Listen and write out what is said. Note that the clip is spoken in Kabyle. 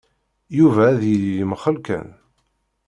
Yuba ad yili yemxell kan!